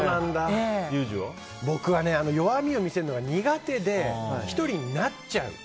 僕は弱みを見せるのが苦手で、１人になっちゃう。